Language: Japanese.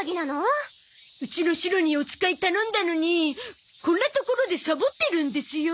うちのシロにお使い頼んだのにこんな所でサボってるんですよ。